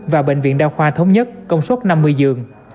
và bệnh viện đa khoa thống nhất công suất năm mươi giường